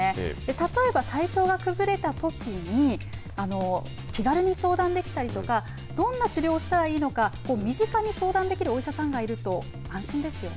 例えば体調が崩れたときに気軽に相談できたりとかどんな治療をしたらいいのか身近に相談できるお医者さんがいると安心ですよね。